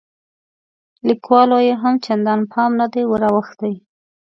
لیکوالو یې هم چندان پام نه دی وراوښتی.